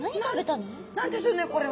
何でしょうねこれは。